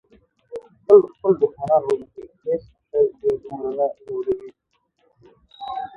تل خپل دښمنان وبښئ. هیڅ شی دوی دومره نه ځوروي.